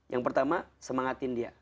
yang pertama semangatin dia